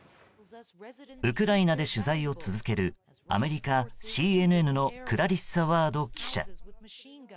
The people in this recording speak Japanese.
ウクライナで取材を続けるアメリカＣＮＮのクラリッサ・ワード記者。